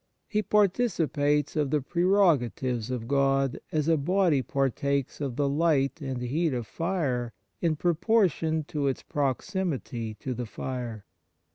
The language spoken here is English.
He partakes of the prerogatives of God as a body partakes of the light and heat of fire in proportion to its proximity 10 ON THE NATURE OF GRACE to the fire.